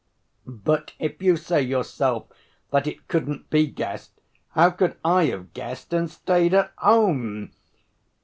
"But if you say yourself that it couldn't be guessed, how could I have guessed and stayed at home?